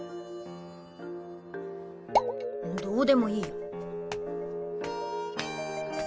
どうでもいい。